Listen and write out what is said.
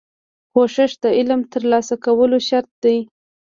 کوښښ د علم ترلاسه کولو شرط دی.